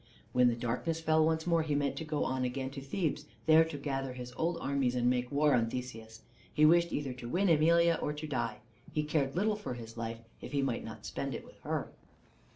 When the darkness fell once more he meant to go on again to Thebes, there to gather his old armies to make war on Theseus. He wished either to win Emelia or to die. He cared little for his life if he might not spend it with her.